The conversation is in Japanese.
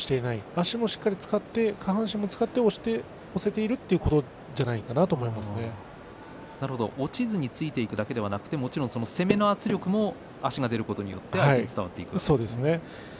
足も下半身もしっかり使って押せているということだ落ちずについていくだけではなく攻めの圧力も足が出ることによって伝わっていくんですね。